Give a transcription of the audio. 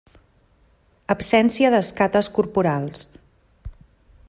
Absència d'escates corporals.